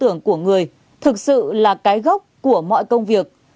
công an của người thực sự là cái gốc của mọi công việc